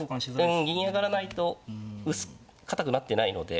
うん銀上がらないと堅くなってないので。